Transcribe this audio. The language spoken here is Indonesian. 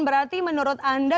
berarti menurut anda